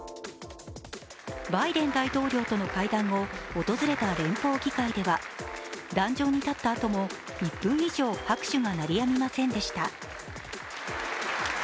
バイデン大統領との会談後、訪れた連邦議会では壇上に立ったあとも１分以上、拍手が鳴りやみませんでした。